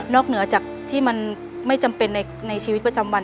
เหนือจากที่มันไม่จำเป็นในชีวิตประจำวัน